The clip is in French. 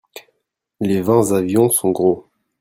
Les vingt avions sont gros.